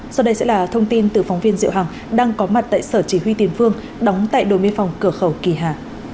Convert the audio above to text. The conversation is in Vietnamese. sau đây sẽ là thông tin từ phóng viên diệu hằng đang có mặt tại sở chỉ huy tiền phương đóng tại đồ miên phòng cửa khẩu kỳ hà